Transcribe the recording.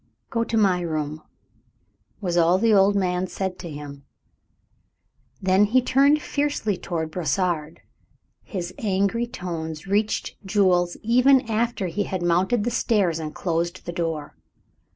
"Go to my room," was all the old man said to him. Then he turned fiercely towards Brossard. His angry tones reached Jules even after he had mounted the stairs and closed the door.